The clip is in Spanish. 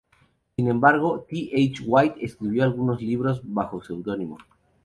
Sin embargo, T. H. White escribió algunos libros bajo seudónimo.